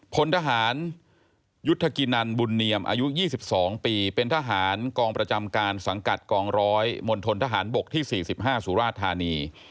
พลทหารยุทธกินันบุญเนียมอายุ๒๒ปีเป็นทหารกองประจำการสังกัดกองร้อยมณฑนทหารบกที่๔๕สุราธานี